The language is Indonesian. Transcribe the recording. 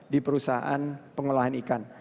di perusahaan pengelolaan ikan